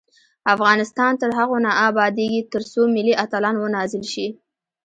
افغانستان تر هغو نه ابادیږي، ترڅو ملي اتلان ونازل شي.